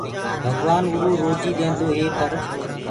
ڀگوآن اُروئو روجي ديديندوئي پر